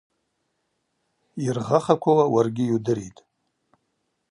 Йыргъахаквауа уаргьи йудыритӏ.